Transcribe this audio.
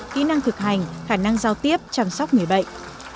kỹ năng thực hành khả năng giao tiếp chăm sóc người bệnh